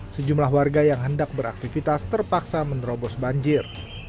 sejumlah warga yang hendak beraktivitas terpaksa menerobos banjir